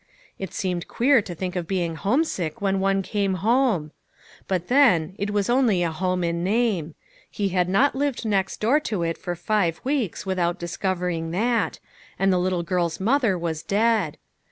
It seemed queer to think of being homesick when one came home ! But then, it was only a home in name ; he had not lived next door to it for five weeks without discovering that, and the little girl's mother was dead